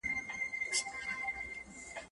راسه له ساحله د نهنګ خبري نه کوو